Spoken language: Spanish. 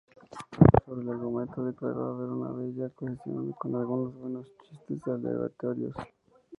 Sobre el argumento declaró haber una bella cohesión con algunos buenos chistes aleatorios.